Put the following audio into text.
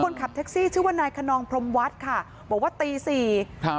คนขับแท็กซี่ชื่อว่านายคนนองพรมวัดค่ะบอกว่าตีสี่ครับ